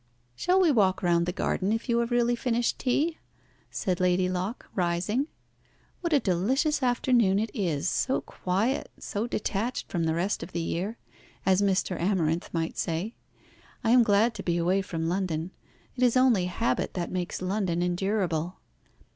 "Shall we walk round the garden if you have really finished tea?" said Lady Locke, rising. "What a delicious afternoon it is, so quiet, so detached from the rest of the year, as Mr. Amarinth might say. I am glad to be away from London. It is only habit that makes London endurable."